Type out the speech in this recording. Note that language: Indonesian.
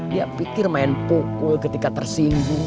dia pikir main pukul ketika tersinggung